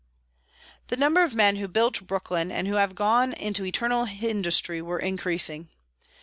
The number of men who built Brooklyn, and who have gone into eternal industry, were increasing.